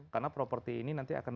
karena properti ini nanti akan